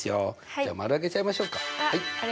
じゃあ丸あげちゃいましょうか。